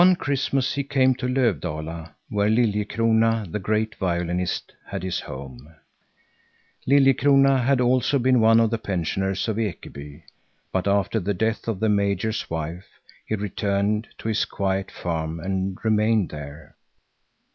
One Christmas he came to Löfdala, where Liljekrona, the great violinist, had his home. Liljekrona had also been one of the pensioners of Ekeby, but after the death of the major's wife, he returned to his quiet farm and remained there.